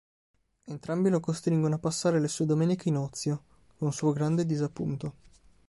Entrambi lo costringono a passare le sue domeniche in ozio, con suo grande disappunto.